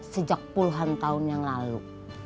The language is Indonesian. sejak puluhan tahun yang lalu